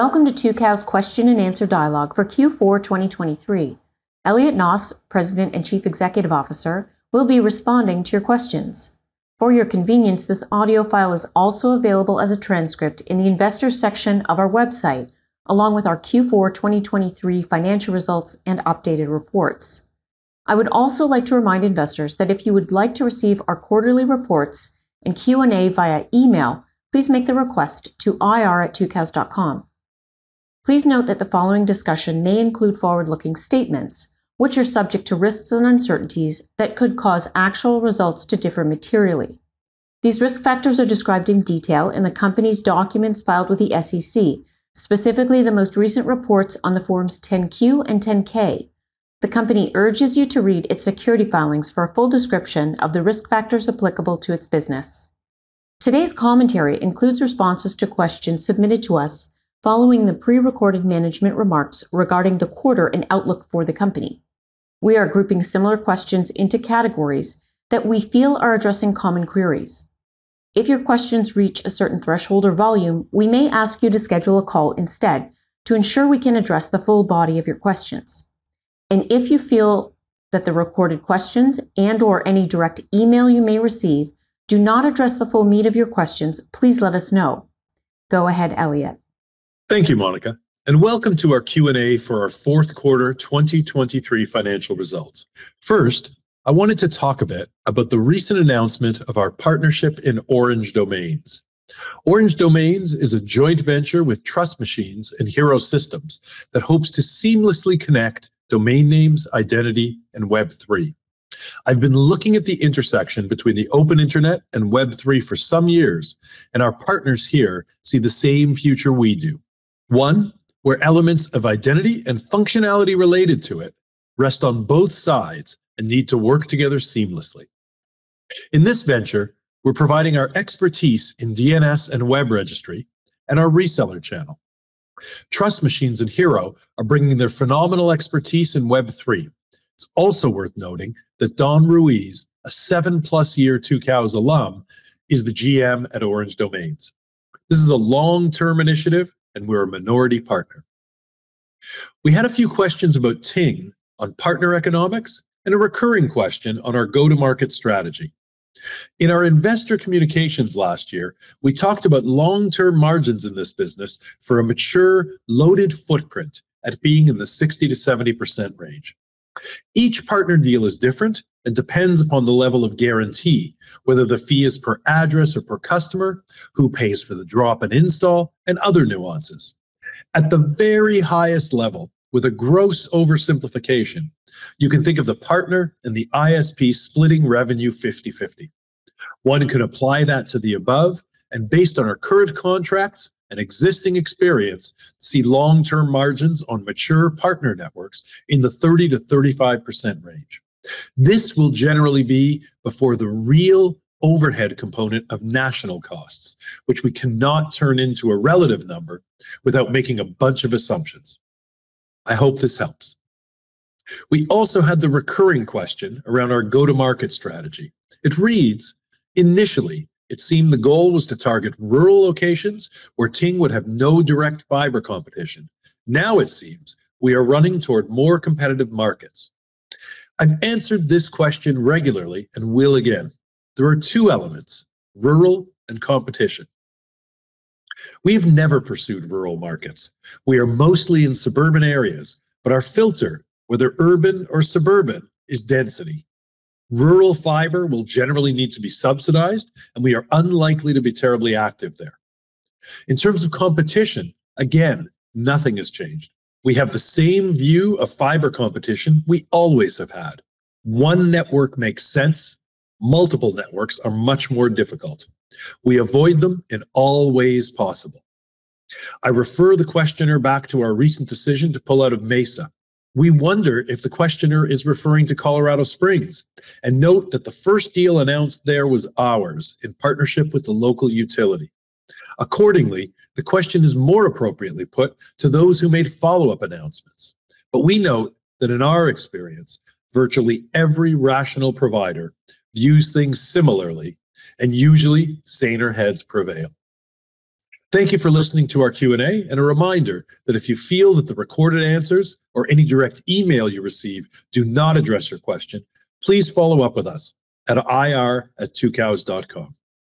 Welcome to Tucows Question and Answer Dialogue for Q4 2023. Elliot Noss, President and Chief Executive Officer, will be responding to your questions. For your convenience, this audio file is also available as a transcript in the Investors section of our website, along with our Q4 2023 financial results and updated reports. I would also like to remind investors that if you would like to receive our quarterly reports and Q&A via email, please make the request to ir@tucows.com. Please note that the following discussion may include forward-looking statements, which are subject to risks and uncertainties that could cause actual results to differ materially. These risk factors are described in detail in the company's documents filed with the SEC, specifically the most recent reports on the Forms 10-Q and 10-K. The company urges you to read its securities filings for a full description of the risk factors applicable to its business. Today's commentary includes responses to questions submitted to us following the prerecorded management remarks regarding the quarter and outlook for the company. We are grouping similar questions into categories that we feel are addressing common queries. If your questions reach a certain threshold or volume, we may ask you to schedule a call instead to ensure we can address the full body of your questions. If you feel that the recorded questions and/or any direct email you may receive do not address the full meat of your questions, please let us know. Go ahead, Elliot. Thank you, Monica, and Welcome to Our Q&A for our Fourth Quarter 2023 Financial Results. First, I wanted to talk a bit about the recent announcement of our partnership in Orange Domains. Orange Domains is a joint venture with Trust Machines and Hiro Systems that hopes to seamlessly connect domain names, identity, and Web3. I've been looking at the intersection between the open internet and Web3 for some years, and our partners here see the same future we do: one, where elements of identity and functionality related to it rest on both sides and need to work together seamlessly. In this venture, we're providing our expertise in DNS and Web Registry and our reseller channel. Trust Machines and Hiro are bringing their phenomenal expertise in Web3. It's also worth noting that Don Ruiz, a 7+-year Tucows alum, is the GM at Orange Domains. This is a long-term initiative, and we're a minority partner. We had a few questions about Ting on partner economics and a recurring question on our go-to-market strategy. In our investor communications last year, we talked about long-term margins in this business for a mature, loaded footprint at being in the 60%-70% range. Each partner deal is different and depends upon the level of guarantee, whether the fee is per address or per customer, who pays for the drop and install, and other nuances. At the very highest level, with a gross oversimplification, you can think of the partner and the ISP splitting revenue 50/50. One could apply that to the above and, based on our current contracts and existing experience, see long-term margins on mature partner networks in the 30%-35% range. This will generally be before the real overhead component of national costs, which we cannot turn into a relative number without making a bunch of assumptions. I hope this helps. We also had the recurring question around our go-to-market strategy. It reads, "Initially, it seemed the goal was to target rural locations where Ting would have no direct fiber competition. Now it seems we are running toward more competitive markets." I've answered this question regularly and will again. There are two elements: rural and competition. We have never pursued rural markets. We are mostly in suburban areas, but our filter, whether urban or suburban, is density. Rural fiber will generally need to be subsidized, and we are unlikely to be terribly active there. In terms of competition, again, nothing has changed. We have the same view of fiber competition we always have had: one network makes sense, multiple networks are much more difficult. We avoid them in all ways possible. I refer the questioner back to our recent decision to pull out of Mesa. We wonder if the questioner is referring to Colorado Springs and note that the first deal announced there was ours in partnership with the local utility. Accordingly, the question is more appropriately put to those who made follow-up announcements. But we note that, in our experience, virtually every rational provider views things similarly, and usually saner heads prevail. Thank you for listening to our Q&A and a reminder that if you feel that the recorded answers or any direct email you receive do not address your question, please follow up with us at ir@tucows.com.